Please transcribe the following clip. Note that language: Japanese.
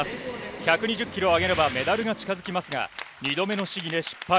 １２０キロを挙げればメダルが近づきますが、２度目の試技で失敗。